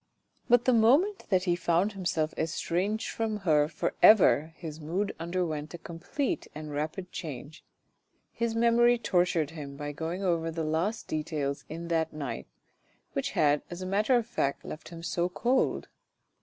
But the moment that he found himself estranged from her for ever his mood underwent a complete and rapid change. His memory tortured him by going over the least details in that night, which had as a matter of fact left him so cold.